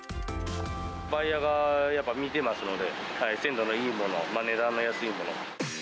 バイヤーがやっぱ見てますので、鮮度のいいもの、値段の安いもの。